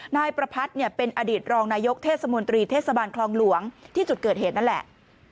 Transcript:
นายประพัทธ์เป็นอดีตรองนายกเทศมนตรีเทศบาลคลองหลวงที่จุดเกิดเหตุนั่นแหละ